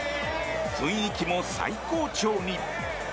雰囲気も最高潮に。